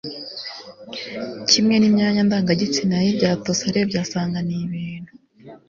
kimwe n'imyanya ndangagitsina ye byatose. arebye asanga ni ibintu